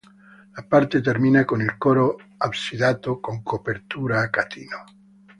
La parte termina con il coro absidato con copertura a catino.